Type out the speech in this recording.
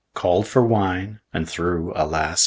Called for wine, and threw — alas!